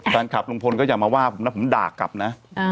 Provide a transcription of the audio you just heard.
แฟนคลับลุงพลก็อย่ามาว่าผมนะผมด่ากลับนะ